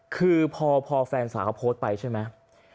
คือพอแฟนสาวเขาโพสต์ไปใช่ไหม